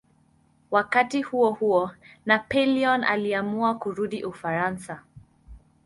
Wakati huohuo Napoleon aliamua kurudi Ufaransa.